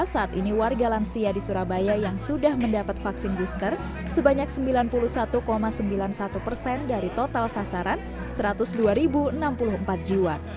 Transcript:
saat ini warga lansia di surabaya yang sudah mendapat vaksin booster sebanyak sembilan puluh satu sembilan puluh satu persen dari total sasaran satu ratus dua enam puluh empat jiwa